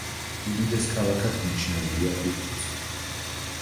უდიდეს ქალაქად მიჩნეულია ირკუტსკი.